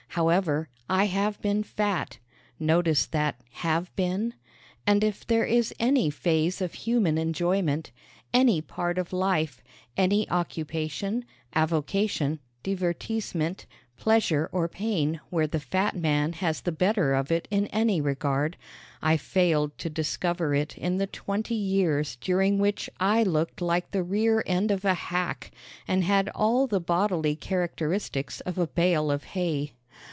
However, I have been fat notice that "have been"? And if there is any phase of human enjoyment, any part of life, any occupation, avocation, divertisement, pleasure or pain where the fat man has the better of it in any regard, I failed to discover it in the twenty years during which I looked like the rear end of a hack and had all the bodily characteristics of a bale of hay.